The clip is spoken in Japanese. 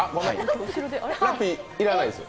ラッピー、いらないです。